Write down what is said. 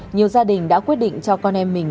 nhiều gia đình đã quyết định cho con em mình